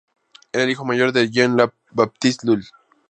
Era el hijo mayor de Jean-Baptiste Lully.